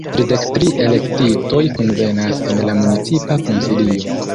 Tridek tri elektitoj kunvenas en la Municipa Konsilio.